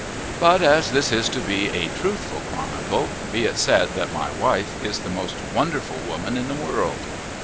But as this is to be a truthful chronicle, be it said that my wife is the most wonderful woman in the world.